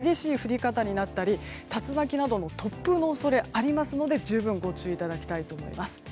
このタイミングで急に激しい降り方になったり竜巻などの突風の恐れありますので十分ご注意いただきたいと思います。